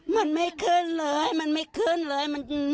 มันไม่ขึ้นเลยมันไม่ขึ้นเลย